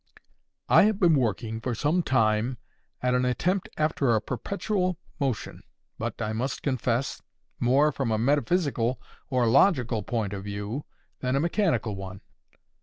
"I have been working for some time at an attempt after a perpetual motion, but, I must confess, more from a metaphysical or logical point of view than a mechanical one."